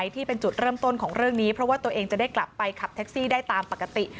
ที่เป็นจุดเริ่มต้นของเรื่องนี้เพราะว่าตัวเองจะได้กลับไปขับแท็กซี่ได้ตามปกติ